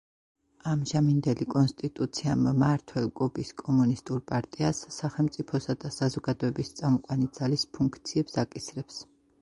ამჟამინდელი კონსტიტუცია მმართველ კუბის კომუნისტურ პარტიას „სახელმწიფოსა და საზოგადოების წამყვანი ძალის“ ფუნქციებს აკისრებს.